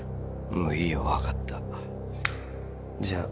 もういいよ分かったじゃあ